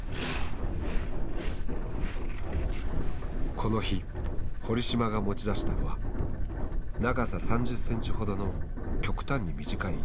この日堀島が持ち出したのは長さ３０センチほどの極端に短い板。